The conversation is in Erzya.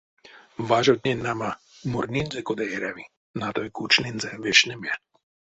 Важотнень, нама, мурнинзе кода эряви, натой кучнинзе вешнеме.